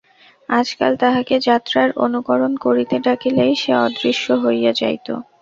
আজকাল তাহাকে যাত্রার অনুকরণ করিতে ডাকিলেই সে অদৃশ্য হইয়া যাইত।